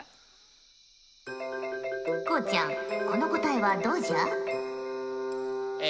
こうちゃんこの答えはどうじゃ？え